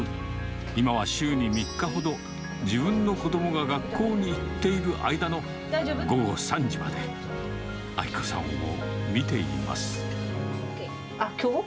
今は週に３日ほど、自分の子どもが学校に行っている間の午後３時まで、明子さんをみきょう？